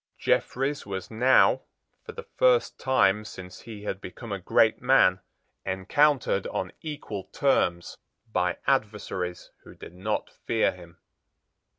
Jeffreys was now, for the first time since he had become a great man, encountered on equal terms by adversaries who did not fear him.